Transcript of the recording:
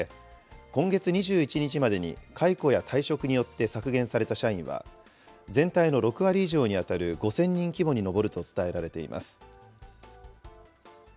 大規模な人員削減が進められ、今月２１日までに解雇や退職によって削減された社員は、全体の６割以上に当たる５０００人規模に上ると伝えられています。